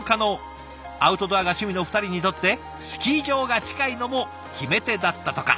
アウトドアが趣味の２人にとってスキー場が近いのも決め手だったとか。